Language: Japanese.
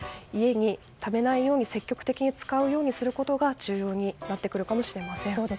家にためないように積極的に使うようにすることが重要になってくるかもしれません。